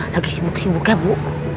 lagi sibuk sibuk ya bu